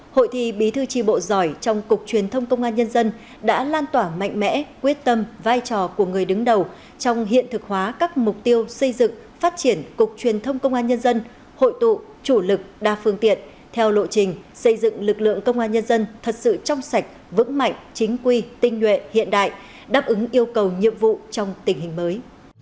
hội thi bí thư tri bộ giỏi trong cục truyền thông công an nhân dân đã lan tỏa mạnh mẽ quyết tâm vai trò của người đứng đầu trong hiện thực hóa các mục tiêu xây dựng phát triển cục truyền thông công an nhân dân hội tụ chủ lực đa phương tiện theo lộ trình xây dựng lực lượng công an nhân dân thật sự trong sạch vững mạnh chính quy tinh nguyện hiện đại đáp ứng yêu cầu nhiệm vụ trong tình hình mới